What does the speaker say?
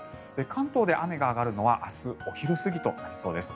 関東で雨が上がるのは明日お昼過ぎとなりそうです。